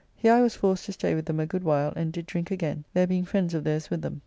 Here I was forced to stay with them a good while and did drink again, there being friends of theirs with them.